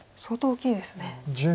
相当大きいですね。